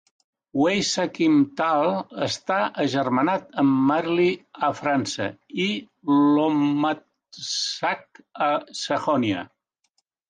Weissach im Tal està agermanat amb Marly a França i Lommatzsch a Sajonia.